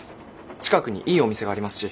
近くにいいお店がありますし。